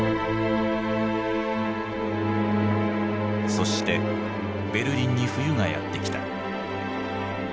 そしてベルリンに冬がやって来た。